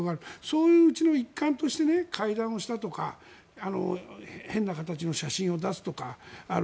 そういううちの一環として会談をしたとか変な形の写真を出すとかがある。